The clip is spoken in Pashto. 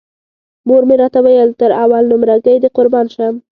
مور مې راته ویل تر اول نمره ګۍ دې قربان شم.